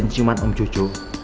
indra penciumat om jojo